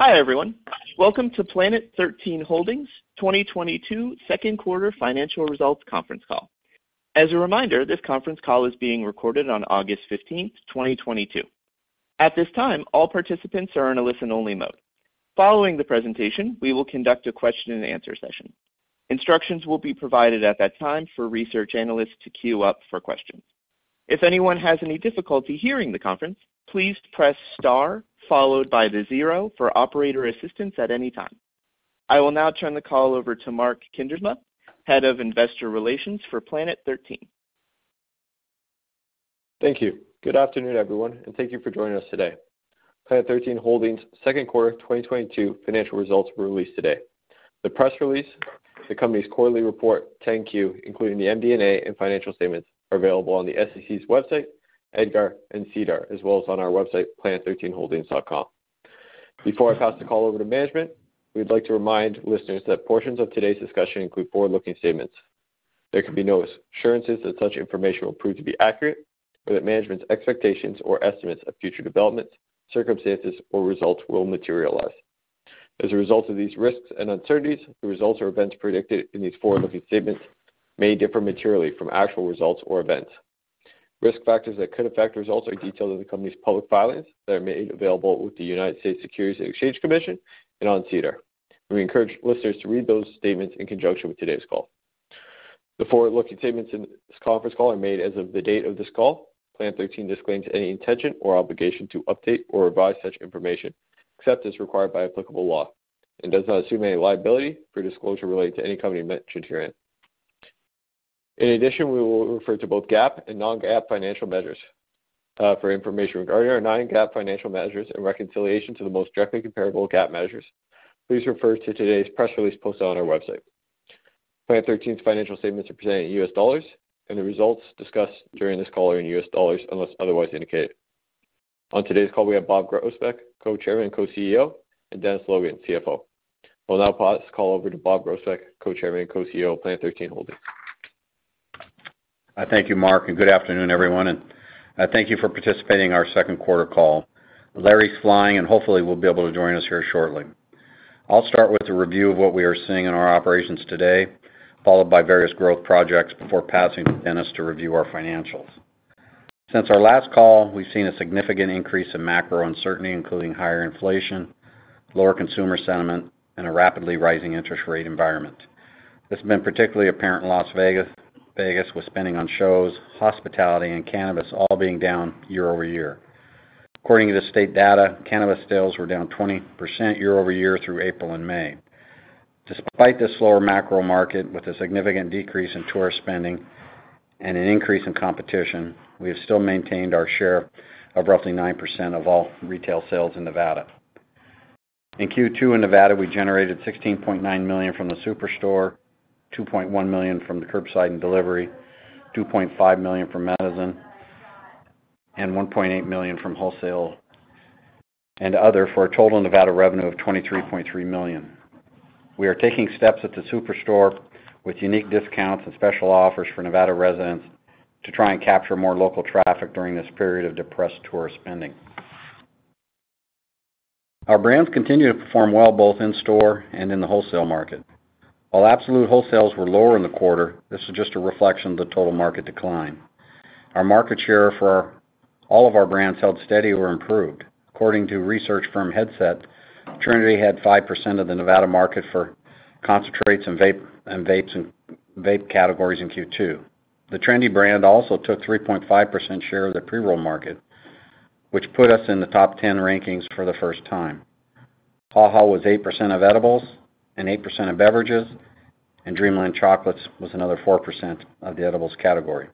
Hi, everyone. Welcome to Planet 13 Holdings 2022 second quarter financial results conference call. As a reminder, this conference call is being recorded on August 15th, 2022. At this time, all participants are in a listen-only mode. Following the presentation, we will conduct a question-and-answer session. Instructions will be provided at that time for research analysts to queue up for questions. If anyone has any difficulty hearing the conference, please press star followed by the zero for operator assistance at any time. I will now turn the call over to Mark Kuindersma, Head of Investor Relations for Planet 13. Thank you. Good afternoon, everyone, and thank you for joining us today. Planet 13 Holdings Q2 2022 financial results were released today. The press release, the company's quarterly report, 10-Q, including the MD&A and financial statements, are available on the SEC's website, EDGAR and SEDAR, as well as on our website, planet13holdings.com. Before I pass the call over to management, we'd like to remind listeners that portions of today's discussion include forward-looking statements. There can be no assurances that such information will prove to be accurate or that management's expectations or estimates of future developments, circumstances, or results will materialize. As a result of these risks and uncertainties, the results or events predicted in these forward-looking statements may differ materially from actual results or events. Risk factors that could affect results are detailed in the company's public filings that are made available with the United States Securities and Exchange Commission and on SEDAR. We encourage listeners to read those statements in conjunction with today's call. The forward-looking statements in this conference call are made as of the date of this call. Planet 13 disclaims any intention or obligation to update or revise such information, except as required by applicable law, and does not assume any liability for disclosure related to any company mentioned herein. In addition, we will refer to both GAAP and non-GAAP financial measures. For information regarding our non-GAAP financial measures and reconciliation to the most directly comparable GAAP measures, please refer to today's press release posted on our website. Planet 13's financial statements are presented in U.S. dollars, and the results discussed during this call are in U.S. dollars unless otherwise indicated. On today's call, we have Bob Groesbeck, Co-Chairman and Co-CEO, and Dennis Logan, CFO. We'll now pass this call over to Bob Groesbeck, Co-Chairman and Co-CEO of Planet 13 Holdings. I thank you, Mark, and good afternoon, everyone, and thank you for participating in our second quarter call. Larry's flying, and hopefully will be able to join us here shortly. I'll start with a review of what we are seeing in our operations today, followed by various growth projects before passing to Dennis to review our financials. Since our last call, we've seen a significant increase in macro uncertainty, including higher inflation, lower consumer sentiment, and a rapidly rising interest rate environment. This has been particularly apparent in Las Vegas with spending on shows, hospitality, and cannabis all being down year-over-year. According to the state data, cannabis sales were down 20% year-over-year through April and May. Despite this slower macro market with a significant decrease in tourist spending and an increase in competition, we have still maintained our share of roughly 9% of all retail sales in Nevada. In Q2 in Nevada, we generated $16.9 million from the SuperStore, $2.1 million from the curbside and delivery, $2.5 million from Medizin, and $1.8 million from wholesale and other, for a total Nevada revenue of $23.3 million. We are taking steps at the SuperStore with unique discounts and special offers for Nevada residents to try and capture more local traffic during this period of depressed tourist spending. Our brands continue to perform well, both in store and in the wholesale market. While absolute wholesales were lower in the quarter, this is just a reflection of the total market decline. Our market share for all of our brands held steady or improved. According to research firm Headset, TRENDI had 5% of the Nevada market for concentrates and vapes categories in Q2. The TRENDI brand also took 3.5% share of the pre-roll market, which put us in the top ten rankings for the first time. HaHa was 8% of edibles and 8% of beverages, and Dreamland Chocolates was another 4% of the edibles category.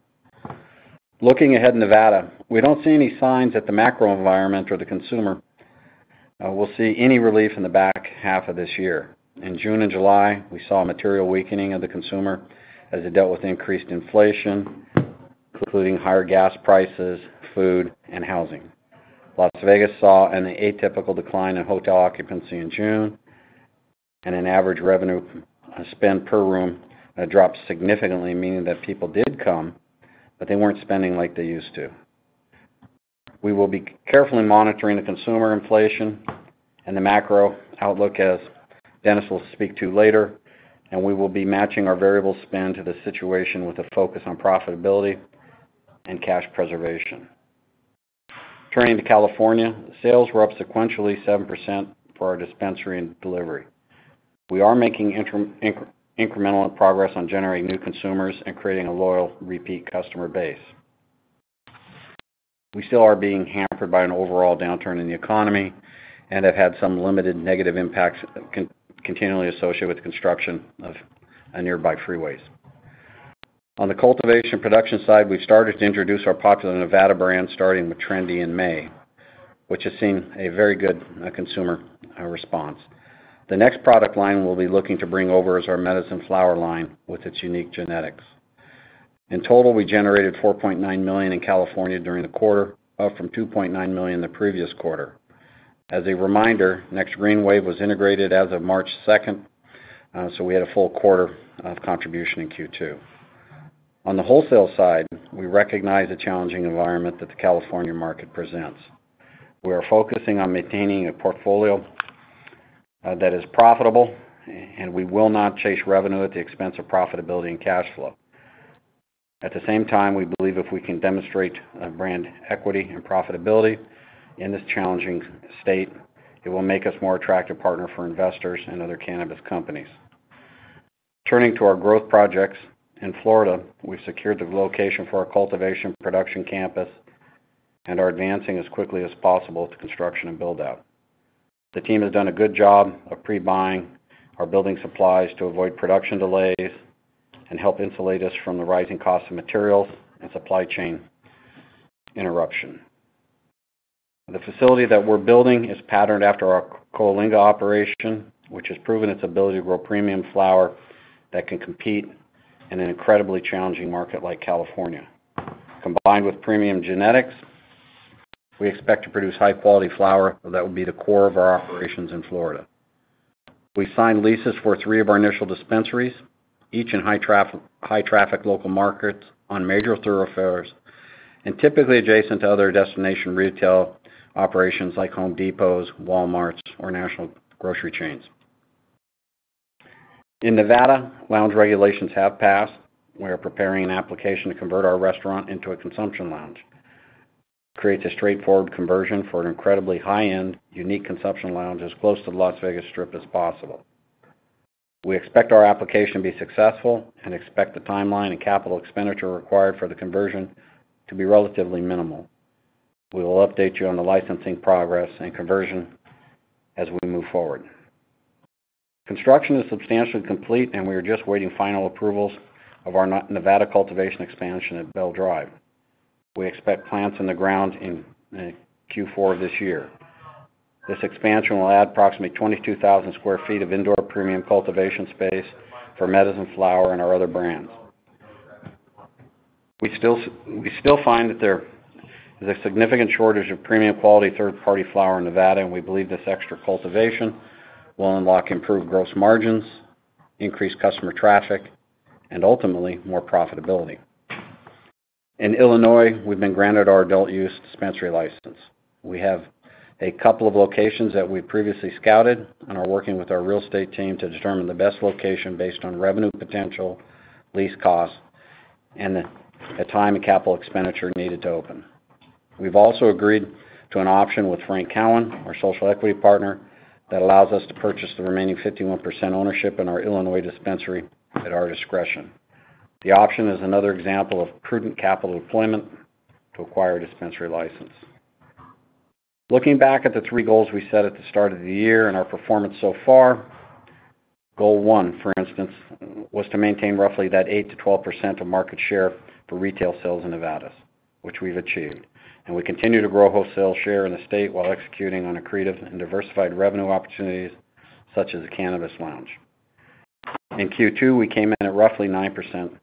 Looking ahead in Nevada, we don't see any signs that the macro environment or the consumer will see any relief in the back half of this year. In June and July, we saw a material weakening of the consumer as it dealt with increased inflation, including higher gas prices, food, and housing. Las Vegas saw an atypical decline in hotel occupancy in June and an average revenue spend per room dropped significantly, meaning that people did come, but they weren't spending like they used to. We will be carefully monitoring the consumer inflation and the macro outlook, as Dennis will speak to later, and we will be matching our variable spend to the situation with a focus on profitability and cash preservation. Turning to California, sales were up sequentially 7% for our dispensary and delivery. We are making incremental progress on generating new consumers and creating a loyal repeat customer base. We still are being hampered by an overall downturn in the economy and have had some limited negative impacts continually associated with the construction of nearby freeways. On the cultivation production side, we started to introduce our popular Nevada brand, starting with TRENDI in May, which has seen a very good consumer response. The next product line we'll be looking to bring over is our Medizin flower line with its unique genetics. In total, we generated $4.9 million in California during the quarter, up from $2.9 million the previous quarter. As a reminder, Next Green Wave was integrated as of March second, so we had a full quarter of contribution in Q2. On the wholesale side, we recognize the challenging environment that the California market presents. We are focusing on maintaining a portfolio that is profitable and we will not chase revenue at the expense of profitability and cash flow. At the same time, we believe if we can demonstrate, brand equity and profitability in this challenging state, it will make us more attractive partner for investors and other cannabis companies. Turning to our growth projects. In Florida, we secured the location for our cultivation production campus and are advancing as quickly as possible to construction and build-out. The team has done a good job of pre-buying our building supplies to avoid production delays and help insulate us from the rising cost of materials and supply chain interruption. The facility that we're building is patterned after our Coalinga operation, which has proven its ability to grow premium flower that can compete in an incredibly challenging market like California. Combined with premium genetics, we expect to produce high-quality flower that will be the core of our operations in Florida. We signed leases for three of our initial dispensaries, each in high-traffic local markets on major thoroughfares, and typically adjacent to other destination retail operations like Home Depots, Walmarts, or national grocery chains. In Nevada, lounge regulations have passed. We are preparing an application to convert our restaurant into a consumption lounge. Creates a straightforward conversion for an incredibly high-end, unique consumption lounge as close to the Las Vegas Strip as possible. We expect our application to be successful and expect the timeline and capital expenditure required for the conversion to be relatively minimal. We will update you on the licensing progress and conversion as we move forward. Construction is substantially complete, and we are just waiting final approvals of our Nevada cultivation expansion at Bell Drive. We expect plants in the ground in Q4 of this year. This expansion will add approximately 22,000sq ft of indoor premium cultivation space for Medizin flower, and our other brands. We still find that there is a significant shortage of premium quality third-party flower in Nevada, and we believe this extra cultivation will unlock improved gross margins, increase customer traffic, and ultimately, more profitability. In Illinois, we've been granted our adult use dispensary license. We have a couple of locations that we previously scouted and are working with our real estate team to determine the best location based on revenue potential, lease costs, and the time and capital expenditure needed to open. We've also agreed to an option with Frank Cowan, our social equity partner, that allows us to purchase the remaining 51% ownership in our Illinois dispensary at our discretion. The option is another example of prudent capital deployment to acquire a dispensary license. Looking back at the three goals we set at the start of the year and our performance so far. Goal one, for instance, was to maintain roughly that 8%-12% of market share for retail sales in Nevada, which we've achieved. We continue to grow wholesale share in the state while executing on accretive and diversified revenue opportunities such as cannabis lounge. In Q2, we came in at roughly 9%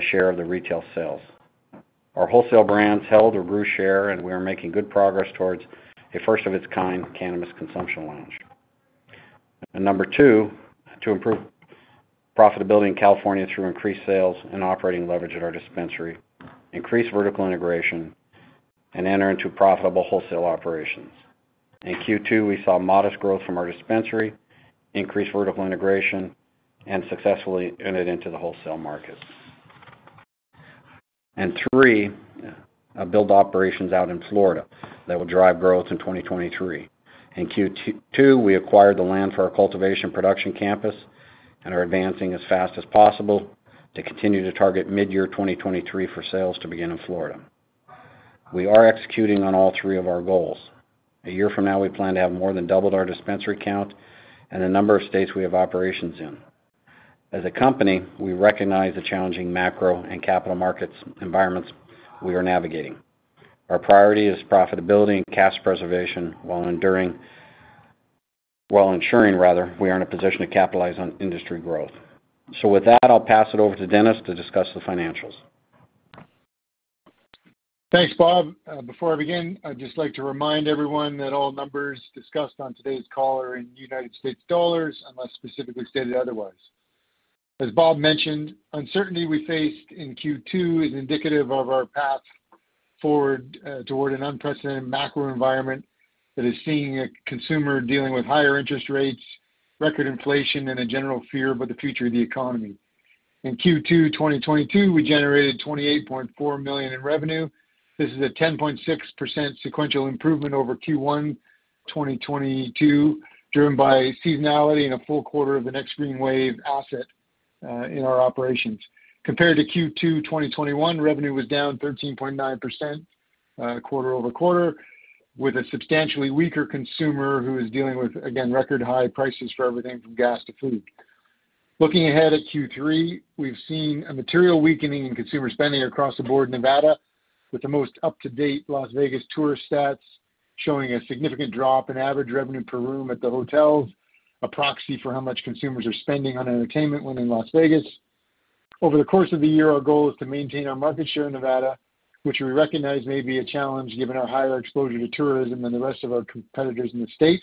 share of the retail sales. Our wholesale brands held or grew share, and we are making good progress towards a first of its kind cannabis consumption lounge. Number two, to improve profitability in California through increased sales and operating leverage at our dispensary, increase vertical integration, and enter into profitable wholesale operations. In Q2, we saw modest growth from our dispensary, increased vertical integration, and successfully entered into the wholesale market. Third, build operations out in Florida that will drive growth in 2023. In Q2, we acquired the land for our cultivation production campus and are advancing as fast as possible to continue to target midyear 2023 for sales to begin in Florida. We are executing on all three of our goals. A year from now, we plan to have more than doubled our dispensary count and the number of states we have operations in. As a company, we recognize the challenging macro and capital markets environments we are navigating. Our priority is profitability and cash preservation while ensuring, rather, we are in a position to capitalize on industry growth. With that, I'll pass it over to Dennis to discuss the financials. Thanks, Bob. Before I begin, I'd just like to remind everyone that all numbers discussed on today's call are in United States dollars, unless specifically stated otherwise. As Bob mentioned, uncertainty we faced in Q2 is indicative of our path forward toward an unprecedented macro environment that is seeing a consumer dealing with higher interest rates, record inflation, and a general fear about the future of the economy. In Q2 2022, we generated $28.4 million in revenue. This is a 10.6% sequential improvement over Q1 2022, driven by seasonality in a full quarter of the Next Green Wave asset in our operations. Compared to Q2 2021, revenue was down 13.9%, quarter-over-quarter, with a substantially weaker consumer who is dealing with, again, record high prices for everything from gas to food. Looking ahead at Q3, we've seen a material weakening in consumer spending across the board in Nevada, with the most up-to-date Las Vegas tourist stats showing a significant drop in average revenue per room at the hotels, a proxy for how much consumers are spending on entertainment when in Las Vegas. Over the course of the year, our goal is to maintain our market share in Nevada, which we recognize may be a challenge given our higher exposure to tourism than the rest of our competitors in the state.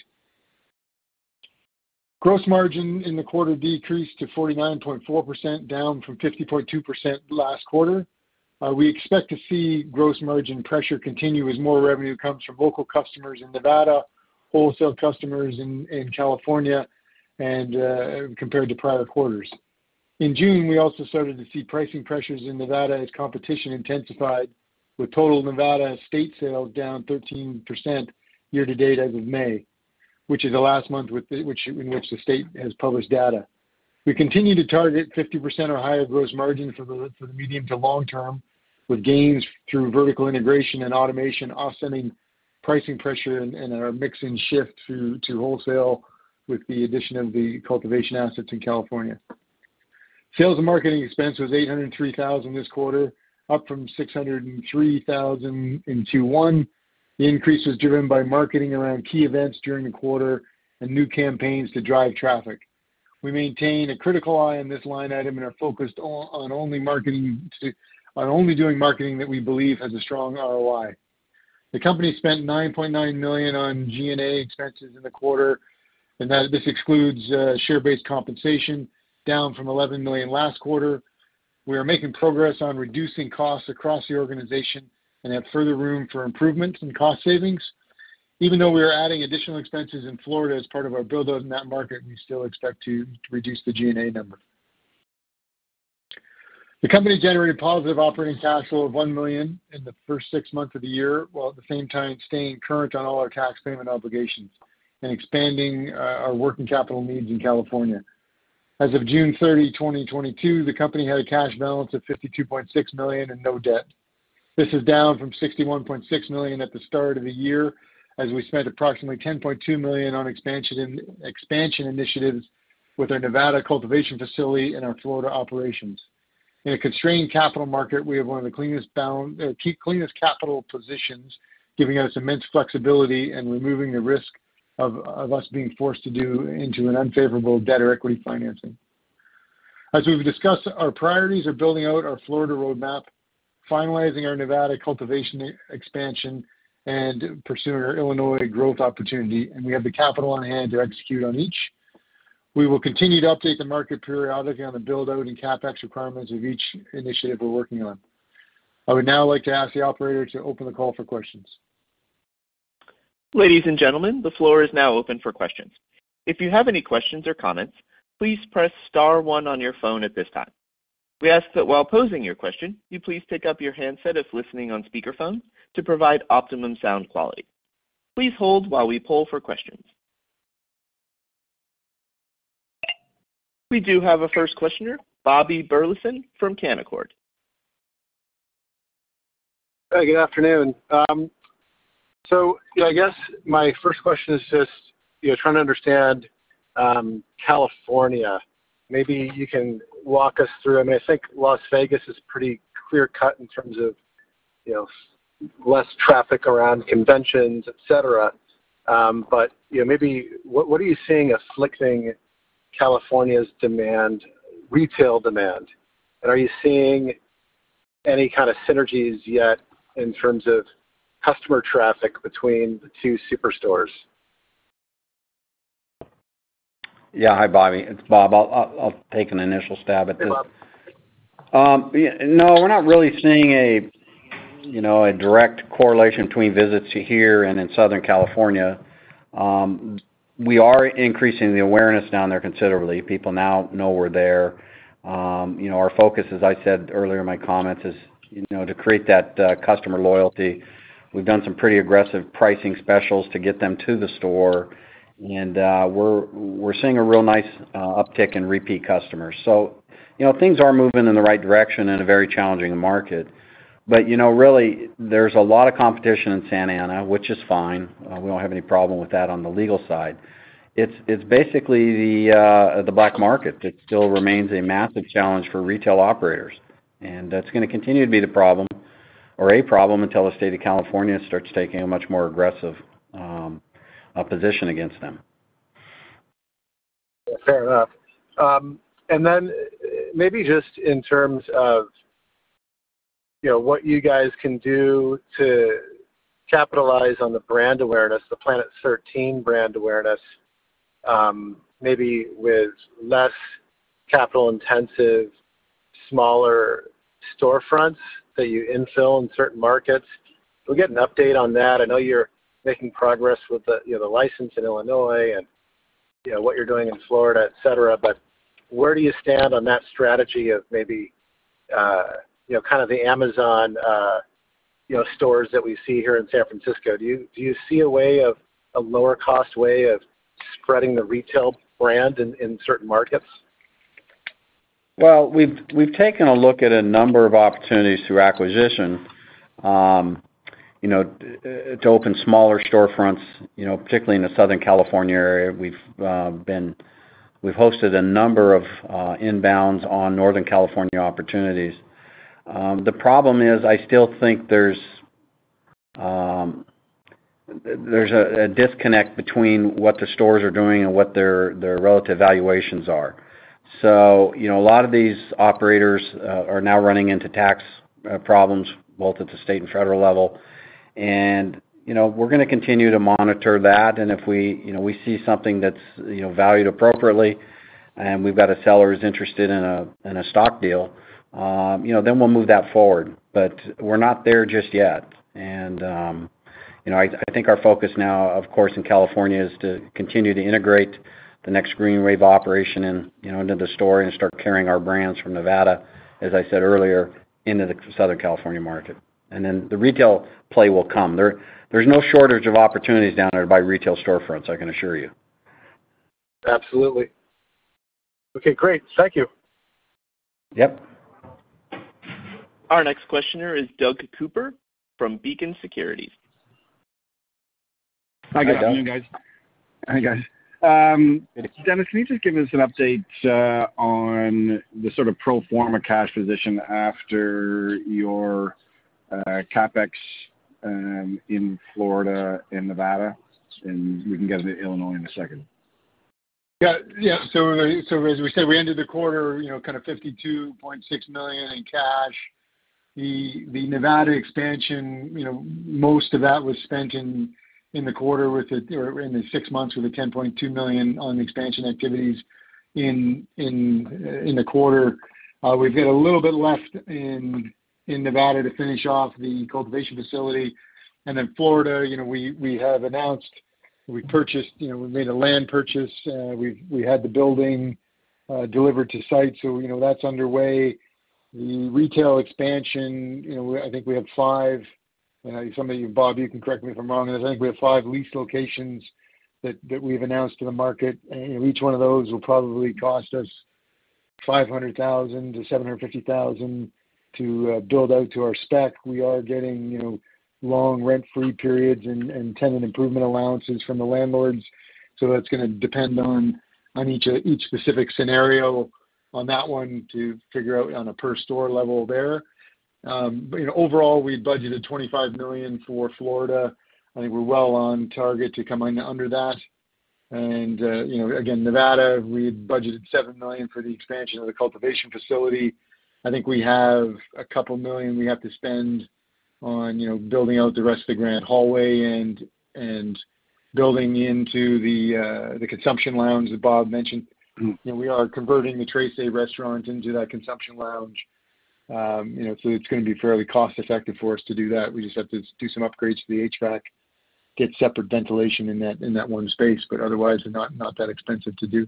Gross margin in the quarter decreased to 49.4%, down from 50.2% last quarter. We expect to see gross margin pressure continue as more revenue comes from local customers in Nevada, wholesale customers in California, and compared to prior quarters. In June, we also started to see pricing pressures in Nevada as competition intensified, with total Nevada state sales down 13% year-to-date as of May, which is the last month in which the state has published data. We continue to target 50% or higher gross margin for the medium to long term, with gains through vertical integration and automation offsetting pricing pressure and our business mix shift to wholesale with the addition of the cultivation assets in California. Sales and marketing expense was $803,000 this quarter, up from $603,000 In Q1. The increase was driven by marketing around key events during the quarter and new campaigns to drive traffic. We maintain a critical eye on this line item and are focused on only doing marketing that we believe has a strong ROI. The company spent $9.9 million on G&A expenses in the quarter, and this excludes share-based compensation, down from $11 million last quarter. We are making progress on reducing costs across the organization and have further room for improvements and cost savings. Even though we are adding additional expenses in Florida as part of our build-out in that market, we still expect to reduce the G&A number. The company generated positive operating cash flow of $1 million in the first six months of the year, while at the same time staying current on all our tax payment obligations and expanding our working capital needs in California. As of June 30, 2022, the company had a cash balance of $52.6 million and no debt. This is down from $61.6 million at the start of the year, as we spent approximately $10.2 million on expansion initiatives with our Nevada cultivation facility and our Florida operations. In a constrained capital market, we have one of the cleanest capital positions, giving us immense flexibility and removing the risk of us being forced into an unfavorable debt or equity financing. As we've discussed, our priorities are building out our Florida roadmap, finalizing our Nevada cultivation expansion, and pursuing our Illinois growth opportunity, and we have the capital on hand to execute on each. We will continue to update the market periodically on the build-out and CapEx requirements of each initiative we're working on. I would now like to ask the operator to open the call for questions. Ladies and gentlemen, the floor is now open for questions. If you have any questions or comments, please press star one on your phone at this time. We ask that while posing your question, you please pick up your handset if listening on speakerphone to provide optimum sound quality. Please hold while we poll for questions. We do have a first questioner, Bobby Burleson from Canaccord. Hi, good afternoon. I guess my first question is just, you know, trying to understand California. Maybe you can walk us through. I mean, I think Las Vegas is pretty clear-cut in terms of, you know, less traffic around conventions, et cetera. You know, maybe what are you seeing afflicting California's demand, retail demand? And are you seeing any kind of synergies yet in terms of customer traffic between the two superstores? Yeah. Hi, Bobby. It's Bob. I'll take an initial stab at this. Hey, Bob. Yeah, no, we're not really seeing a you know a direct correlation between visits to here and in Southern California. We are increasing the awareness down there considerably. People now know we're there. You know, our focus, as I said earlier in my comments, is you know to create that customer loyalty. We've done some pretty aggressive pricing specials to get them to the store, and we're seeing a real nice uptick in repeat customers. You know, things are moving in the right direction in a very challenging market. You know, really there's a lot of competition in Santa Ana, which is fine. We don't have any problem with that on the legal side. It's basically the black market that still remains a massive challenge for retail operators, and that's gonna continue to be the problem or a problem until the state of California starts taking a much more aggressive position against them. Fair enough. Maybe just in terms of, you know, what you guys can do to capitalize on the brand awareness, the Planet 13 brand awareness, maybe with less capital-intensive, smaller storefronts that you infill in certain markets. We'll get an update on that. I know you're making progress with the, you know, the license in Illinois and, you know, what you're doing in Florida, et cetera. Where do you stand on that strategy of maybe, you know, kind of the Amazon, you know, stores that we see here in San Francisco? Do you see a way of, a lower cost way of spreading the retail brand in certain markets? We've taken a look at a number of opportunities through acquisition, you know, to open smaller storefronts, you know, particularly in the Southern California area. We've hosted a number of inbounds on Northern California opportunities. The problem is, I still think there's a disconnect between what the stores are doing and what their relative valuations are. You know, a lot of these operators are now running into tax problems both at the state and federal level. You know, we're gonna continue to monitor that. If we you know we see something that's you know valued appropriately and we've got a seller who's interested in a stock deal, you know then we'll move that forward. We're not there just yet. You know, I think our focus now, of course, in California is to continue to integrate the Next Green Wave operation into the store and start carrying our brands from Nevada, as I said earlier, into the Southern California market. Then the retail play will come. There's no shortage of opportunities down there by retail storefronts, I can assure you. Absolutely. Okay, great. Thank you. Yep. Our next questioner is Doug Cooper from Beacon Securities. Hi, Doug. Good afternoon, guys. Hi, guys. Dennis, can you just give us an update on the sort of pro forma cash position after your CapEx in Florida and Nevada? We can get to Illinois in a second. Yeah. As we said, we ended the quarter, you know, kind of $52.6 million in cash. The Nevada expansion, you know, most of that was spent in the quarter with it, or in the six months with $10.2 million on expansion activities in the quarter. We've got a little bit left in Nevada to finish off the cultivation facility. Then Florida, you know, we have announced, we purchased, you know, we made a land purchase. We've had the building delivered to site, so, you know, that's underway. The retail expansion, you know, I think we have five, you know, some of you, Bob, you can correct me if I'm wrong. I think we have five lease locations that we've announced to the market, and each one of those will probably cost us $500,000-$750,000 to build out to our spec. We are getting, you know, long rent-free periods and tenant improvement allowances from the landlords. That's gonna depend on each specific scenario on that one to figure out on a per store level there. You know, overall, we budgeted $25 million for Florida. I think we're well on target to come in under that. You know, again, Nevada, we budgeted $7 million for the expansion of the cultivation facility. I think we have a couple million we have to spend on, you know, building out the rest of the Grand Hallway and building into the consumption lounge that Bob mentioned. You know, we are converting the Trece restaurant into that consumption lounge. You know, it's gonna be fairly cost-effective for us to do that. We just have to do some upgrades to the HVAC, get separate ventilation in that one space, but otherwise not that expensive to do.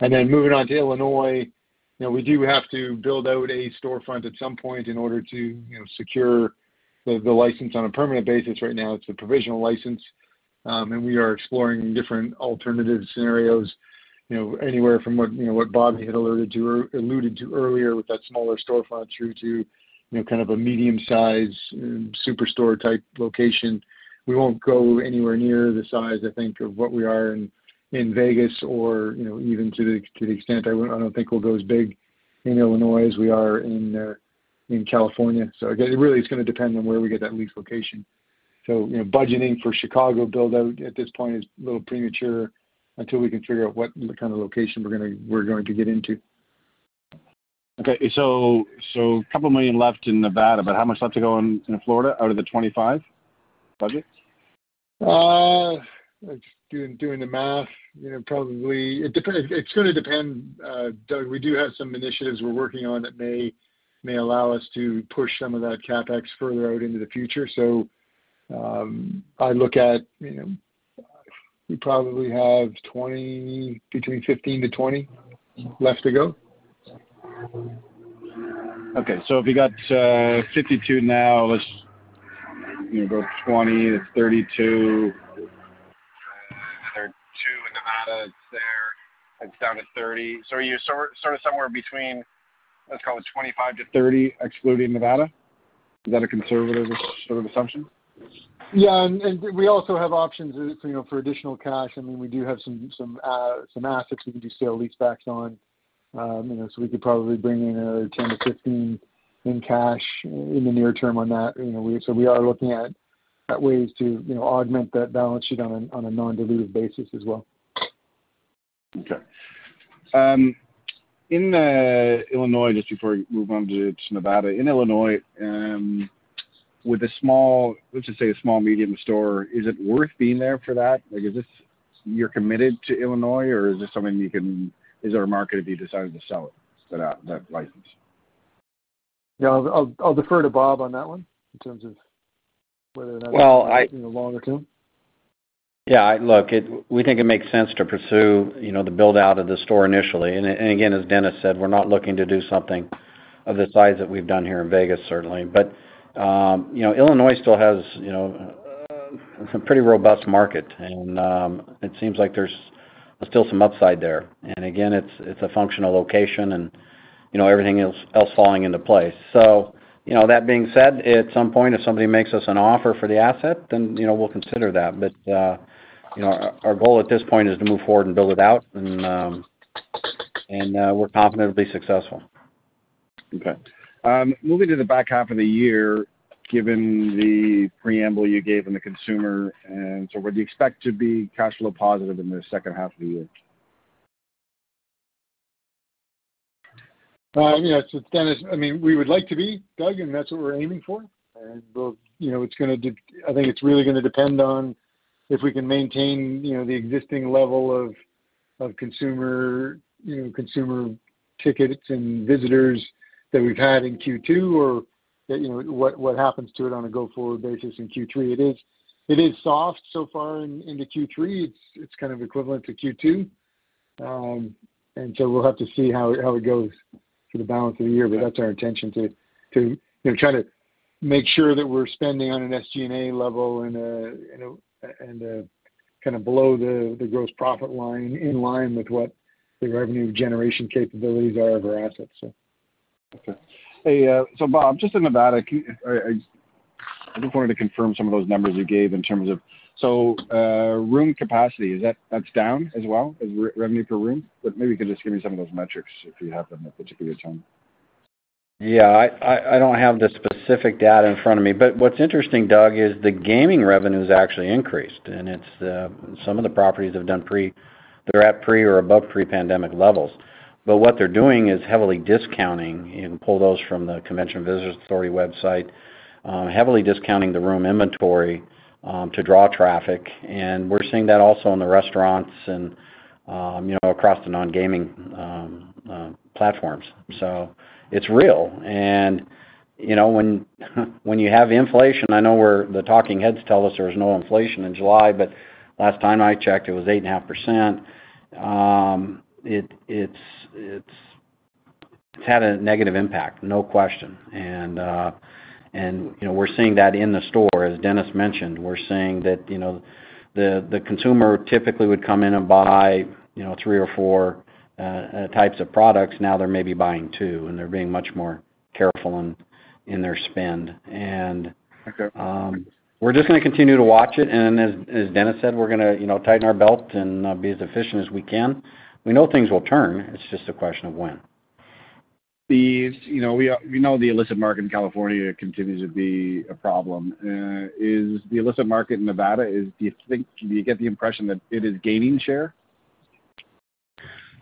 Moving on to Illinois, you know, we do have to build out a storefront at some point in order to, you know, secure the license on a permanent basis. Right now, it's a provisional license, and we are exploring different alternative scenarios, you know, anywhere from what, you know, what Bob had alerted to or alluded to earlier with that smaller storefront through to, you know, kind of a medium-sized SuperStore type location. We won't go anywhere near the size, I think, of what we are in Vegas or, you know, even to the extent I don't think we'll go as big in Illinois as we are in California. Again, really, it's gonna depend on where we get that lease location. You know, budgeting for Chicago build-out at this point is a little premature until we can figure out what the kind of location we're going to get into. Okay. $2 million left in Nevada, but how much left to go in Florida out of the $25 million budget? Doing the math, you know, probably. It depends. It's gonna depend, Doug. We do have some initiatives we're working on that may allow us to push some of that CapEx further out into the future. I look at, you know, we probably have $20 million, between $15 million-$20 million left to go. Okay. If you got $52 million now, let's, you know, go $20 million, that's $32 million. Another $2 million in Nevada, it's there. It's down to $30 milion. You're sort of somewhere between, let's call it $25 million-$30 million, excluding Nevada. Is that a conservative sort of assumption? We also have options, you know, for additional cash. I mean, we do have some assets we could do sale leasebacks on. You know, we could probably bring in another $10 miilion-$15 million in cash in the near term on that. You know, we are looking at ways to, you know, augment that balance sheet on a non-dilutive basis as well. Okay. In Illinois, just before we move on to Nevada. In Illinois, with a small, let's just say a small medium store, is it worth being there for that? Like, is this you're committed to Illinois, or is this something you can? Is there a market if you decided to sell it, so that license? Yeah. I'll defer to Bob on that one in terms of whether or not. Well. In the longer term. Yeah, look, we think it makes sense to pursue, you know, the build-out of the store initially. Again, as Dennis said, we're not looking to do something of the size that we've done here in Vegas, certainly. You know, Illinois still has, you know, a pretty robust market, and it seems like there's still some upside there. Again, it's a functional location and, you know, everything else falling into place. You know, that being said, at some point, if somebody makes us an offer for the asset, then, you know, we'll consider that. You know, our goal at this point is to move forward and build it out and we're confident it'll be successful. Okay. Moving to the back half of the year, given the preamble you gave on the consumer, and so would you expect to be cash flow positive in the second half of the year? You know, Dennis, I mean, we would like to be, Doug, and that's what we're aiming for. We'll, you know, I think it's really gonna depend on if we can maintain, you know, the existing level of consumer tickets and visitors that we've had in Q2, or that, you know, what happens to it on a go-forward basis in Q3. It is soft so far into Q3. It's kind of equivalent to Q2. We'll have to see how it goes for the balance of the year. That's our intention, to you know try to make sure that we're spending on an SG&A level and, you know, and kind of below the gross profit line, in line with what the revenue generation capabilities are of our assets, so. Okay. Hey, Bob, just in Nevada, I just wanted to confirm some of those numbers you gave in terms of room capacity, is that that's down as well as revenue per room? But maybe you can just give me some of those metrics, if you have them at the tip of your tongue. Yeah. I don't have the specific data in front of me. What's interesting, Doug, is the gaming revenue has actually increased, and it's, some of the properties are at pre or above pre-pandemic levels. What they're doing is heavily discounting. You can pull those from the Las Vegas Convention and Visitors Authority website, heavily discounting the room inventory to draw traffic. We're seeing that also in the restaurants and, you know, across the non-gaming platforms. It's real. You know, when you have inflation, I know we're, the talking heads tell us there was no inflation in July, but last time I checked it was 8.5%. It's had a negative impact, no question. You know, we're seeing that in the store, as Dennis mentioned. We're seeing that, you know, the consumer typically would come in and buy, you know, three or four types of products. Now they're maybe buying two, and they're being much more careful in their spend. Okay We're just gonna continue to watch it. As Dennis said, we're gonna, you know, tighten our belt and be as efficient as we can. We know things will turn. It's just a question of when. You know, we know the illicit market in California continues to be a problem. Do you think, do you get the impression that it is gaining share?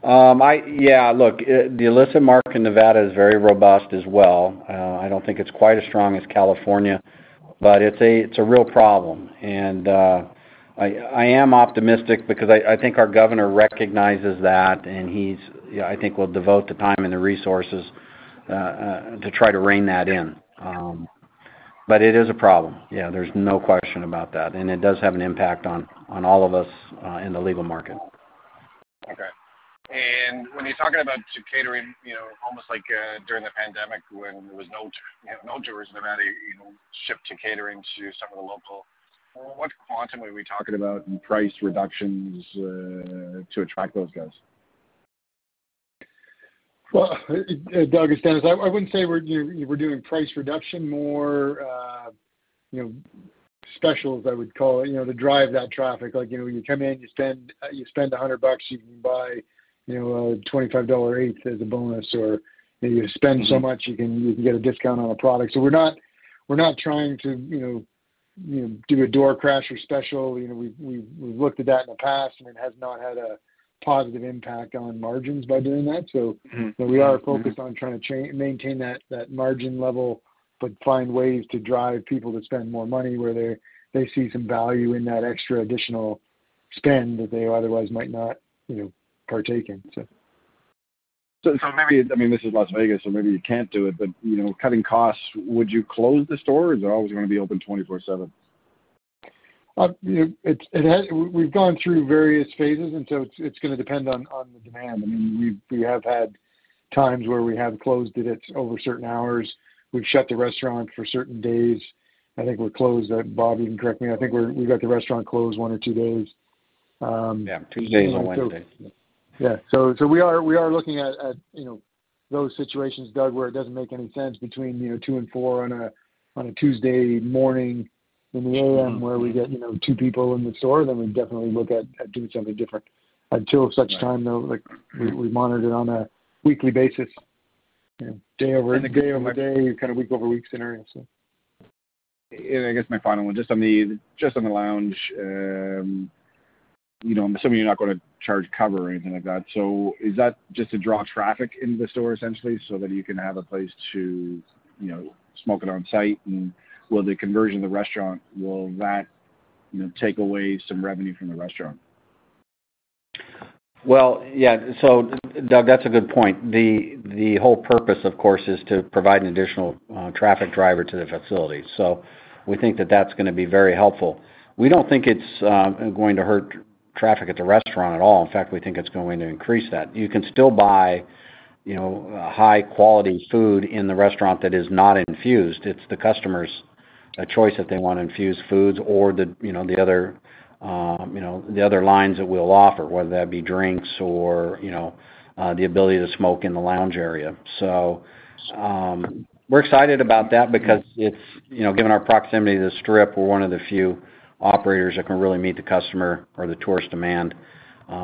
Yeah. Look, the illicit market in Nevada is very robust as well. I don't think it's quite as strong as California, but it's a real problem. I am optimistic because I think our governor recognizes that, and he's, you know, I think will devote the time and the resources to try to rein that in. It is a problem. Yeah, there's no question about that. It does have an impact on all of us in the legal market. Okay. When you're talking about the catering, you know, almost like, during the pandemic when there was no tourism at all, you know, shift to catering to some of the locals, what quantum are we talking about in price reductions to attract those guys? Well, Doug and Dennis, I wouldn't say we're doing price reduction more, you know, specials I would call it, you know, to drive that traffic. Like, you know, when you come in, you spend $100, you can buy, you know, a $25 eighth as a bonus. Or, you know, you spend so much, you can get a discount on a product. We're not trying to, you know, do a door crasher special. You know, we've looked at that in the past and it has not had a positive impact on margins by doing that. Mm-hmm. Mm-hmm. we are focused on trying to maintain that margin level, but find ways to drive people to spend more money where they see some value in that extra additional spend that they otherwise might not, you know, partake in. Maybe, I mean, this is Las Vegas, so maybe you can't do it, but, you know, cutting costs, would you close the stores or are they always gonna be open 24/7? You know, we've gone through various phases, and so it's gonna depend on the demand. I mean, we have had times where we have closed it. It's over certain hours. We've shut the restaurant for certain days. I think we're closed, Bob. You can correct me. I think we've got the restaurant closed one or two days. Yeah. Tuesdays and Wednesdays. Yeah. We are looking at, you know, those situations, Doug, where it doesn't make any sense between two and four on a Tuesday morning in the A.M. where we get, you know, two people in the store, then we definitely look at doing something different. Until such time though, like we monitor it on a weekly basis, you know, day over- And the day over day day, kind of week-over-week scenario, so. I guess my final one, just on the lounge, you know, I'm assuming you're not gonna charge cover or anything like that. So is that just to draw traffic into the store essentially so that you can have a place to, you know, smoke it on site? Will the conversion of the restaurant take away some revenue from the restaurant? Well, yeah. Doug, that's a good point. The whole purpose, of course, is to provide an additional traffic driver to the facility. We think that that's gonna be very helpful. We don't think it's going to hurt traffic at the restaurant at all. In fact, we think it's going to increase that. You can still buy, you know, high quality food in the restaurant that is not infused. It's the customer's choice if they want infused foods or the, you know, the other, you know, the other lines that we'll offer, whether that be drinks or, you know, the ability to smoke in the lounge area. We're excited about that because it's, you know, given our proximity to the Strip, we're one of the few operators that can really meet the customer or the tourist demand,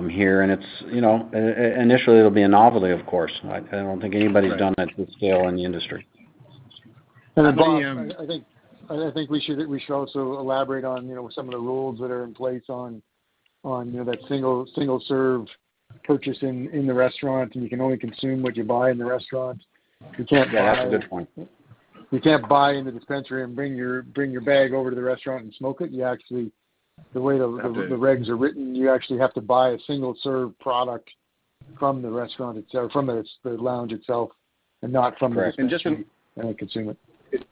here. It's, you know, initially it'll be a novelty, of course. I don't think anybody's done that to scale in the industry. Bob, I think we should also elaborate on you know some of the rules that are in place on you know that single-serve purchase in the restaurant, and you can only consume what you buy in the restaurant. You can't buy- Yeah, that's a good point. You can't buy in the dispensary and bring your bag over to the restaurant and smoke it. You actually, the way the regs are written, you actually have to buy a single-serve product from the restaurant itself, from the lounge itself and not from the dispensary. Correct. consume it.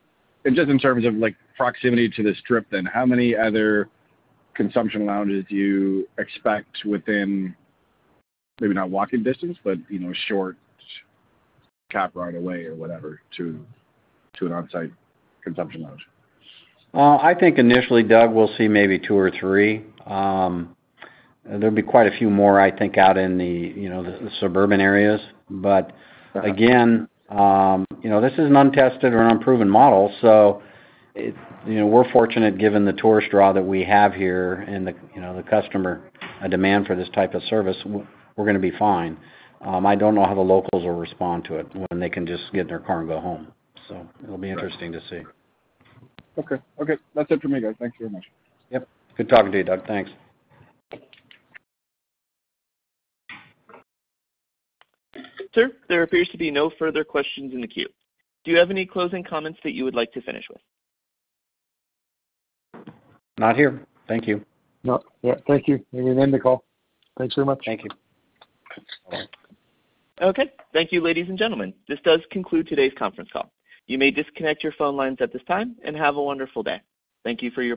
Just in terms of like proximity to the Strip then, how many other consumption lounges do you expect within, maybe not walking distance, but, you know, short cab ride away or whatever to an on-site consumption lounge? Well, I think initially, Doug, we'll see maybe two or three. There'll be quite a few more, I think, out in the, you know, the suburban areas. But again, you know, this is an untested or unproven model, so it. You know, we're fortunate given the tourist draw that we have here and the, you know, the customer demand for this type of service, we're gonna be fine. I don't know how the locals will respond to it when they can just get in their car and go home. It'll be interesting to see. Okay. That's it for me, guys. Thank you very much. Yep. Good talking to you, Doug. Thanks. Sir, there appears to be no further questions in the queue. Do you have any closing comments that you would like to finish with? Not here. Thank you. No. Yeah. Thank you. You may end the call. Thanks very much. Thank you. Okay. Thank you, ladies and gentlemen. This does conclude today's conference call. You may disconnect your phone lines at this time, and have a wonderful day. Thank you for your participation.